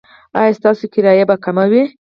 ایا ستاسو کرایه به کمه وي؟